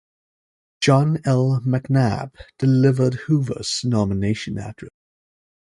John L. McNab delivered Hoover's nomination address.